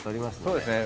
そうですね。